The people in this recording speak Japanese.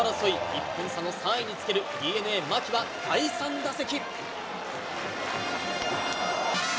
１本差の３位につけるＤｅＮＡ、牧は第３打席。